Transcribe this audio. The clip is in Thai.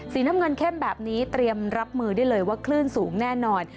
น้ำเงินเข้มแบบนี้เตรียมรับมือได้เลยว่าคลื่นสูงแน่นอน